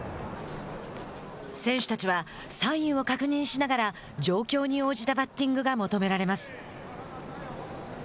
選手たちはサインを確認しながら状況に応じたバッティングが求められます。